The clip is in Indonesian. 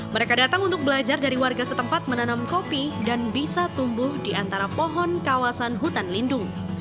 mereka datang untuk belajar dari warga setempat menanam kopi dan bisa tumbuh di antara pohon kawasan hutan lindung